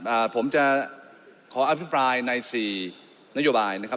อ่าผมจะขออภิปรายในสี่นโยบายนะครับ